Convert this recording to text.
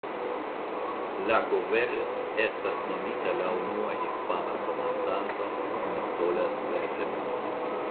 Lago Verret estas nomita laŭ la unua hispana komandanto "Nicolas Verret".